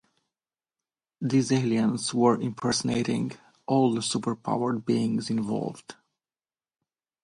These aliens were impersonating all the super-powered beings involved.